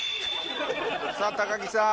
さあ木さん。